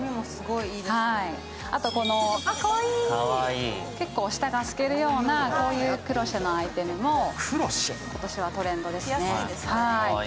あと結構、下が透けるようなクロシェのアイテムも今年はトレンドですね。